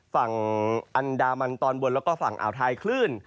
ฝั่งอันดามันตอนบนแล้วก็ฝั่งอ่าวไทยคลื่น